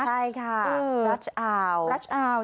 ใช่ค่ะรัชอาว